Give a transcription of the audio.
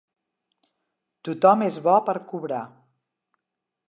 Tothom és bo per cobrar.